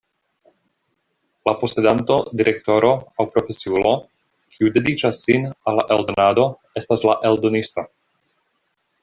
La posedanto, direktoro aŭ profesiulo, kiu dediĉas sin al la eldonado estas la eldonisto.